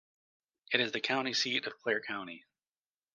It is the county seat of Clare County.